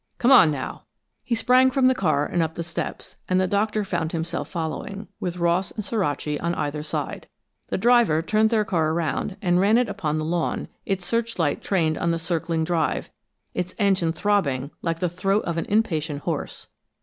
Come on now." He sprang from the car and up the steps, and the Doctor found himself following, with Ross and Suraci on either side. The driver turned their car around and ran it upon the lawn, its searchlight trained on the circling drive, its engine throbbing like the throat of an impatient horse.